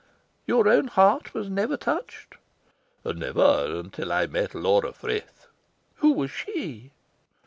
"Your own heart was never touched?" "Never, until I met Laura Frith." "Who was she?"